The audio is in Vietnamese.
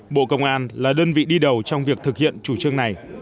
bộ công an là đơn vị đi đầu trong việc thực hiện chủ trương này